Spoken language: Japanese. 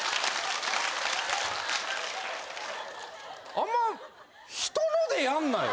あんま人のでやんなよ。